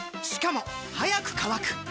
しかも速く乾く！